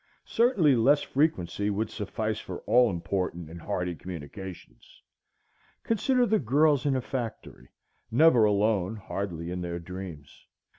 Certainly less frequency would suffice for all important and hearty communications. Consider the girls in a factory,—never alone, hardly in their dreams.